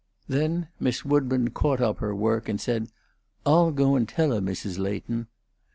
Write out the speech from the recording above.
Then Miss Woodburn caught up her work, and said, "Ah'll go and tell her, Mrs. Leighton."